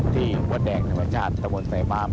ที่วัดแดงธรรมชาติตะบนใส่มาม